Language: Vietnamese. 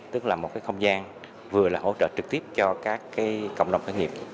tức là một cái không gian vừa là hỗ trợ trực tiếp cho các cộng đồng khởi nghiệp